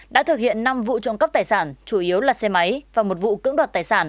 đã thực hiện năm vụ trộm cắp tài sản chủ yếu là xe máy và một vụ cưỡng đoạt tài sản